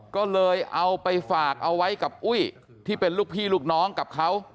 ก็เลยเอาไปฝากเอาไว้กับอุ้ยที่เป็นลูกพี่ลูกน้องกับเขา